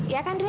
iya kan drei